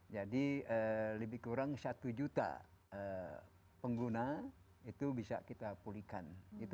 jadi lebih kurang satu juta pengguna itu bisa kita pulihkan